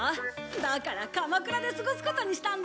だからかまくらで過ごすことにしたんだ！